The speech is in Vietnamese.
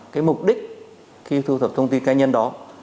cái mục đích khi thu thập thông tin cá nhân đó